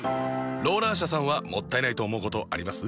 ローラー車さんはもったいないと思うことあります？